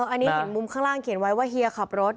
อันนี้เห็นมุมข้างล่างเขียนไว้ว่าเฮียขับรถ